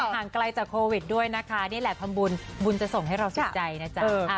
ห่างไกลจากโควิดด้วยนะคะนี่แหละทำบุญบุญจะส่งให้เราเสียใจนะจ๊ะ